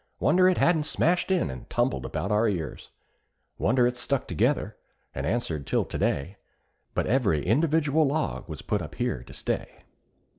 Wonder it hadn't smashed in, and tumbled about our ears; Wonder it's stuck together, and answered till to day; But every individual log was put up here to stay.